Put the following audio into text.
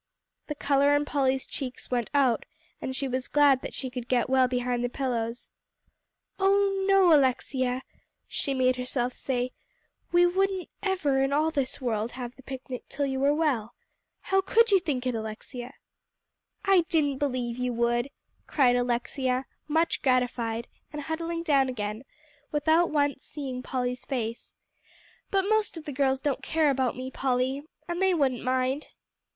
The color in Polly's cheeks went out, and she was glad that she could get well behind the pillows. "Oh, no, Alexia," she made herself say, "we wouldn't ever in all this world have the picnic till you were well. How could you think it, Alexia?" "I didn't believe you would," cried Alexia, much gratified, and huddling down again, without once seeing Polly's face, "but most of the girls don't care about me, Polly, and they wouldn't mind."